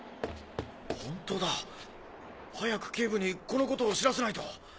ほんとだ早く警部にこのことを知らせないと！